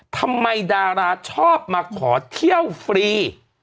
ดาราชอบมาขอเที่ยวฟรี